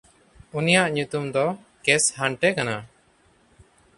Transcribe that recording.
ᱩᱱᱤᱭᱟᱜ ᱧᱩᱛᱩᱢ ᱫᱚ ᱠᱮᱥᱦᱟᱱᱴᱮ ᱠᱟᱱᱟ᱾